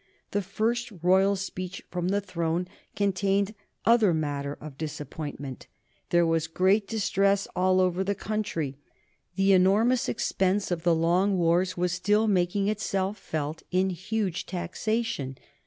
The first royal speech from the throne contained other matter of disappointment. There was great distress all over the country. The enormous expense of the long wars was still making itself felt in huge taxation.